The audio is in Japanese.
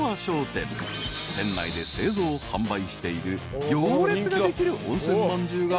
［店内で製造販売している行列ができる温泉まんじゅうがこちら］